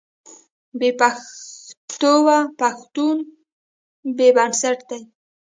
بې پښتوه پښتون بې بنسټه دی.